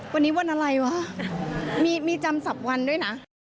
วันนี้วันอะไรวะมีจำสับวันด้วยนะ